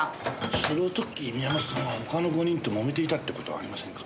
その時宮本さんは他の５人と揉めていたって事はありませんか？